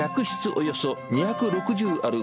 およそ２６０ある